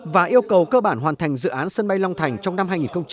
và yêu cầu cơ bản hoàn thành dự án sân bay long thành trong năm hai nghìn hai mươi